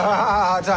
じゃあ。